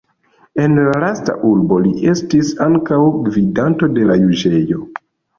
En la lasta urbo li estis ankaŭ gvidanto de la juĝejo.